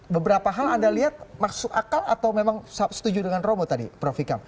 beberapa hal anda lihat masuk akal atau memang setuju dengan romo tadi prof ikam